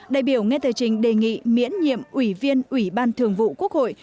đại biểu nghe tờ trình đề nghị miễn nhiệm ủy viên ủy ban thường vụ quốc hội